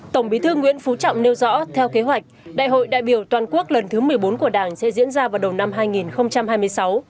tổng bí thư nguyễn phú trọng nêu rõ theo kế hoạch đại hội đại biểu toàn quốc lần thứ một mươi bốn của đảng sẽ diễn ra vào đầu năm hai nghìn hai mươi sáu